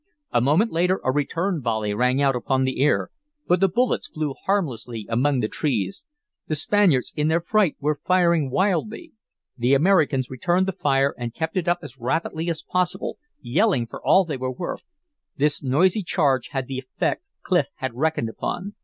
A moment later a return volley rang out upon the air, but the bullets flew harmlessly among the trees. The Spaniards in their fright were firing wildly. The Americans returned the fire and kept it up as rapidly as possible, yelling for all they were worth. This noisy charge had the effect Clif had reckoned upon.